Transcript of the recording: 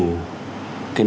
cái nấc thang